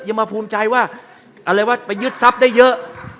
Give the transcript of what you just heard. ยังมาภูมิใจว่าอะไรว่าไปยึดซับได้เยอะ